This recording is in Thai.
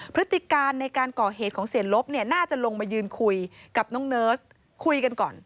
พฤติการในการก่อเหตุของเสียลบเนี่ยน่าจะลงมายืนคุยกับน้องเนิร์สคุยกันก่อน